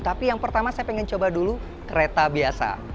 tapi yang pertama saya ingin coba dulu kereta biasa